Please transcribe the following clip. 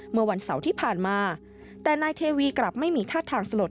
เมื่อวันเสาร์ที่ผ่านมาแต่นายเทวีกลับไม่มีท่าทางสลด